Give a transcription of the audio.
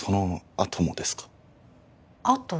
あと？